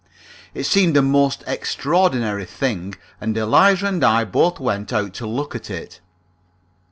It seemed a most extraordinary thing, and Eliza and I both went out to look at it.